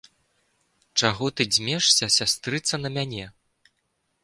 Чаго ты дзьмешся, сястрыца, на мяне!